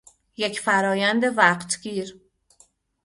یک فرایند وقتگیر